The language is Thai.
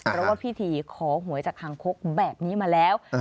เพราะว่าพิธีขอหวยจากคางคกแบบนี้มาแล้ว